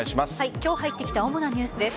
今日入ってきた主なニュースです。